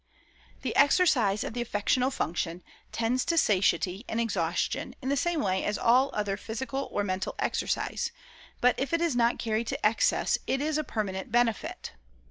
"The exercise of the affectional function tends to satiety and exhaustion in the same way as all other physical or mental exercise; but if it is not carried to excess it is a permanent benefit.